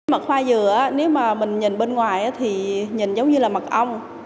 mật hoa dừa nếu mà mình nhìn bên ngoài thì nhìn giống như là mật ong